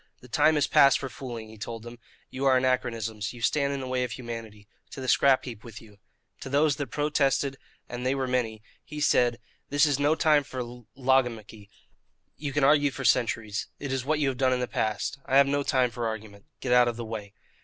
"The time is past for fooling," he told them. "You are anachronisms. You stand in the way of humanity. To the scrap heap with you." To those that protested, and they were many, he said: "This is no time for logomachy. You can argue for centuries. It is what you have done in the past. I have no time for argument. Get out of the way."